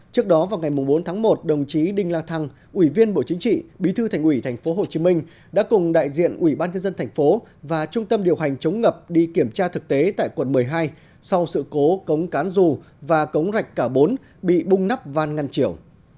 trước đó vào ngày bốn tháng một đồng chí đinh la thăng ủy viên bộ chính trị bí thư thành ủy tp hcm đã cùng đại diện ủy ban nhân dân thành phố và trung tâm điều hành chống ngập đi kiểm tra thực tế tại quận một mươi hai sau sự cố cống cán rù và cống rạch cả bốn bị bung nắp van ngăn chiều